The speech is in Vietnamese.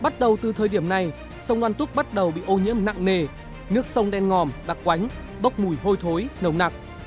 từ thời điểm này sông đoàn túc bắt đầu bị ô nhiễm nặng nề nước sông đen ngòm đặc quánh bốc mùi hôi thối nồng nặng